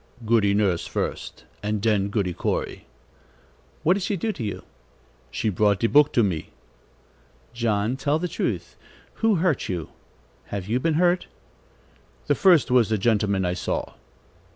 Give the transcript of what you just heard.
"Goody Nurse first, and den Goody Corey." "What did she do to you?" "She brought de book to me." "John, tell the truth. Who hurt you? Have you been hurt?" "The first was a gentleman I saw."